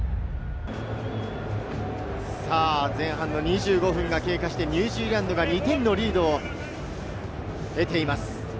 前半の２５分が経過して、ニュージーランドが２点のリード。